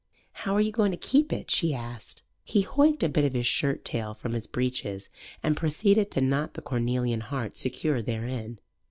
"How are you going to keep it?" she asked. He hoicked a bit of his shirt tail from his breeches and proceeded to knot the cornelian heart secure therein.